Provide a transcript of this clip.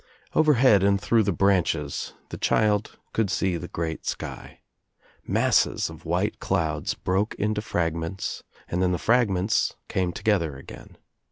Overhead and through the branches the child could see the great sky, Masses of white clouds broke into fragments and then the fragments came together again.